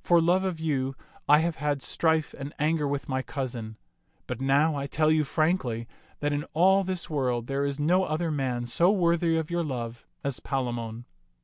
For love of you I have had strife and anger with my cousin ; but now I tell you frankly that in all this world there is no other man so worthy of your love as Palamon."